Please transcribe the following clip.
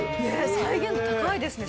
再現度高いですね。